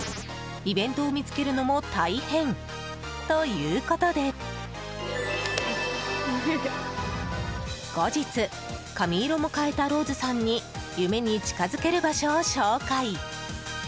イベントを見つけるのも大変ということで後日、髪色も変えたローズさんに夢に近づける場所を紹介。